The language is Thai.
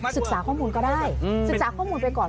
ศึกษาข้อมูลก็ได้ศึกษาข้อมูลไปก่อน